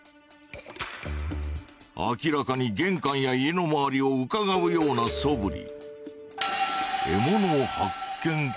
明らかに玄関や家の周りをうかがうような素振り。